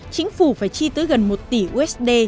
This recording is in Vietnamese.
chính phủ phải chi tới gần một tỷ usd